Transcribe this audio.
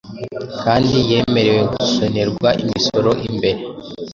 kandi yemerewe gusonerwa imisoro Imbere